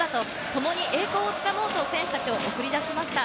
共に栄光をつかもうと選手たちを送り出しました。